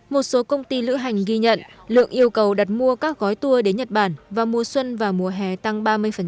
một số công ty lữ hành ghi nhận lượng yêu cầu đặt mua các gói tour đến nhật bản vào mùa xuân và mùa hè tăng ba mươi